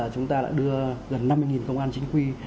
chúng ta đã đưa gần năm mươi công an chính quy